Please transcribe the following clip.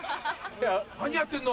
何やってんの？